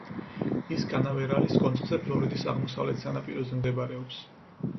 ის კანავერალის კონცხზე, ფლორიდის აღმოსავლეთ სანაპიროზე მდებარეობს.